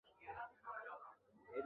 তুমিও আমার প্রাণ বাঁচিয়েছ!